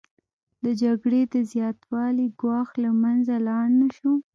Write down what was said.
د جګړې د زیاتوالي ګواښ له منځه لاړ نشو